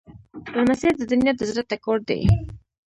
لمسی د نیا د زړه ټکور دی.